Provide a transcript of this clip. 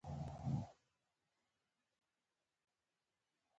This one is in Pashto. زموږ سرتوري به په پردیو کمپونو کې کړیږي.